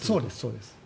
そうです。